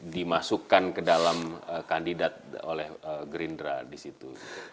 dimasukkan ke dalam kandidat oleh gerindra di situ